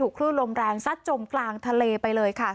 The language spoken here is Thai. คลื่นลมแรงซัดจมกลางทะเลไปเลยค่ะ